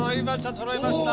そろいました！